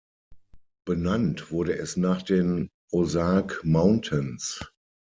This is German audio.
Benannt wurde es nach den "Ozark Mountains.